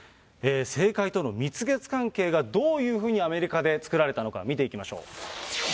政界との蜜月関係がどういうふうにアメリカで作られたのか、見ていきましょう。